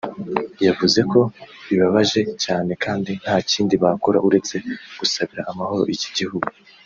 yavuze ko bibabaje cyane kandi nta kindi bakora uretse gusabira amahoro iki gihugu